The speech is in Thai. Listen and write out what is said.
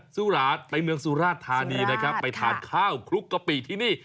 สุราชไปเมืองสุราชธานีนะครับไปทานข้าวคลุกกะปิที่นี่